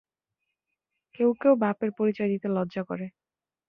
কেউ কেউ বাপের পরিচয় দিতে লজ্জা করে।